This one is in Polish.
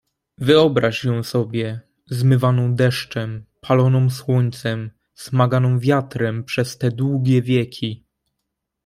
"Wyobraź ją sobie zmywaną deszczem, paloną słońcem, smaganą wiatrem przez te długie wieki."